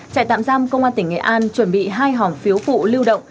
trại tạm giam công an tỉnh nghệ an chuẩn bị hai hòm phiếu phụ lưu động